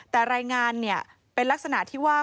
แต่รายงานเป็นลักษณะที่ว่า